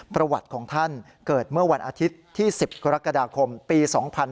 ประวัติของท่านเกิดเมื่อวันอาทิตย์ที่๑๐กรกฎาคมปี๒๕๕๙